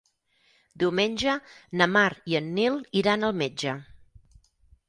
Diumenge na Mar i en Nil iran al metge.